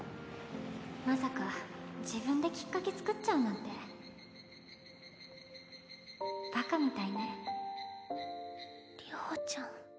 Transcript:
まさか自分できっかけつくっちゃうなんてバカみたいね流星ちゃん。